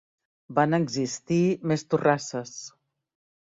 Van existir més torrasses.